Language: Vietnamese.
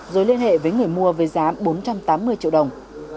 rồi liên hệ với người mua với giá bốn trăm tám mươi triệu đồng